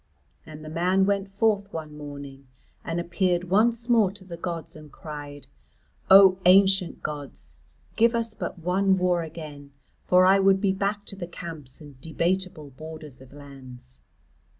And the man went forth one morning and appeared once more to the gods, and cried: "O ancient gods; give us but one war again, for I would be back to the camps and debateable borders of lands."